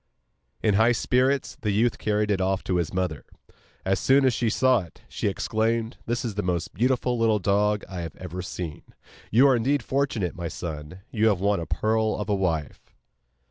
In high spirits the youth carried it off to his mother. As soon as she saw it, she exclaimed: 'This is the most beautiful little dog I have ever seen. You are indeed fortunate, my son; you have won a pearl of a wife.